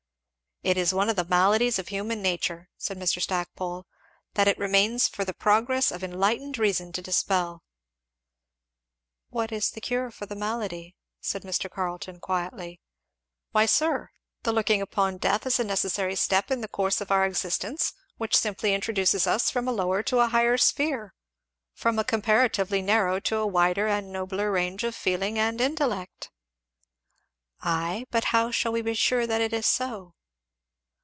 "It is one of the maladies of human nature," said Mr. Stackpole, "that it remains for the progress of enlightened reason to dispel." "What is the cure for the malady?" said Mr. Carleton quietly. "Why sir! the looking upon death as a necessary step in the course of our existence which simply introduces us from a lower to a higher sphere, from a comparatively narrow to a wider and nobler range of feeling and intellect." "Ay but how shall we be sure that it is so?"